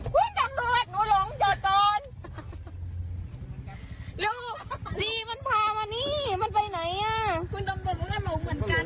คุณตำรวจหนูหลงจอดโตน